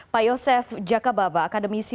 pak yosef jakababa akademisi